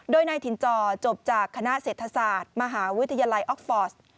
โดยนายถิ่นจอจบจากคณะเศรษฐศาสตร์มหาวิทยาลัยออกฟอร์ส